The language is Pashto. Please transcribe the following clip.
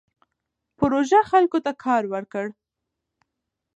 پروژه خلکو ته کار ورکړ.